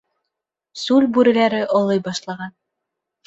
Сүл бүреләре олой башлаған.